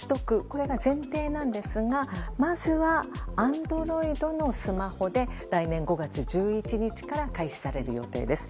これが前提なんですがまずはＡｎｄｒｏｉｄのスマホで来年５月１１日から開始される予定です。